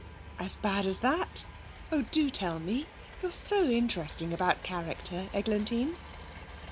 'As bad as that? Oh, do tell me. You're so interesting about character, Eglantine.'